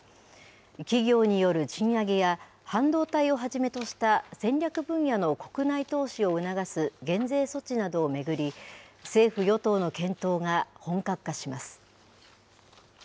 企業による賃上げや半導体をはじめとした戦略分野の国内投資を促す減税措置などを巡り、政府・与党の検討が本格化します。